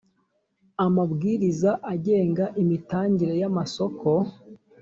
amabwiriza agenga imitangire y amasoko